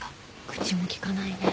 口もきかないね。